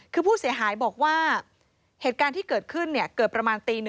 คือผู้เสียหายบอกว่า